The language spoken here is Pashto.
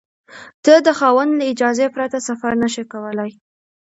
ته د خاوند له اجازې پرته سفر نشې کولای.